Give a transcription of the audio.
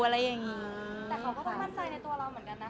แต่เขาก็ต้องมั่นใจในตัวเราเหมือนกันนะ